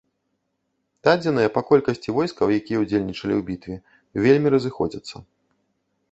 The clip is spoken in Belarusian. Дадзеныя па колькасці войскаў, якія ўдзельнічалі ў бітве, вельмі разыходзяцца.